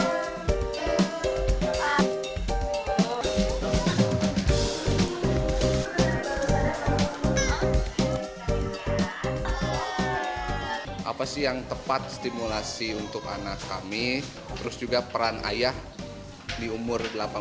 hai apa sih yang tepat stimulasi untuk anak kami terus juga peran ayah di umur delapan